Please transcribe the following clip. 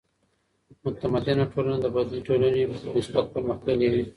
متمدنه ټولنه د بدوي ټولني په نسبت پرمختللې وي.